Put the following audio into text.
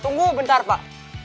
tunggu bentar pak